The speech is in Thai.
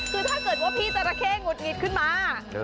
คือถ้าเกิดว่าพี่จราเข้หงุดหงิดขึ้นมา